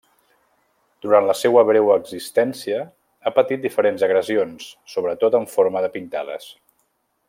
Durant la seua breu existència, ha patit diferents agressions, sobretot en forma de pintades.